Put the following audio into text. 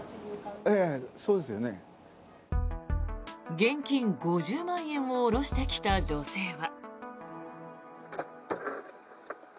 現金５０万円を下ろしてきた女性は。